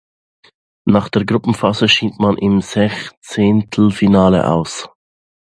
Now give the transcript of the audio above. Nach der Gruppenphase schied man im Sechzehntelfinale aus.